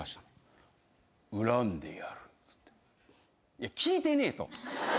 いや聞いてねえと。